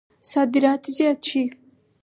صادرات زیات شي.